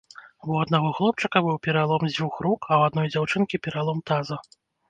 Бо ў аднаго хлопчыка быў пералом дзвюх рук, а ў адной дзяўчынкі пералом таза.